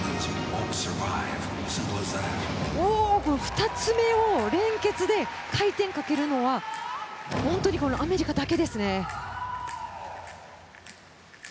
２つ目を連結で回転かけるのは本当にアメリカだけですね。